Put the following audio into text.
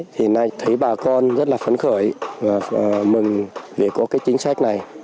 thì nay thấy bà con rất là phấn khởi và mừng để có cái chính sách này